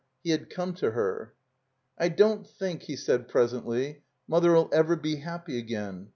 He had come to her. "I don't think," he said, presently, "Mother Tl ever be happy again.